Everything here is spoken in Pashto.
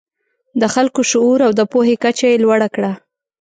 د خلکو شعور او د پوهې کچه یې لوړه کړه.